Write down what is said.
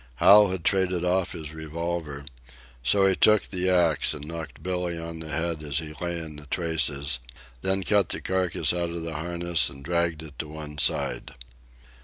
Hal had traded off his revolver, so he took the axe and knocked Billee on the head as he lay in the traces, then cut the carcass out of the harness and dragged it to one side.